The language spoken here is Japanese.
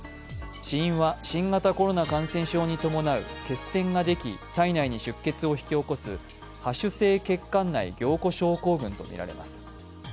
死因は新型コロナ感染症に伴う血栓ができ、体内に出血を引き起こす播種性血管内凝固症候群とみられます。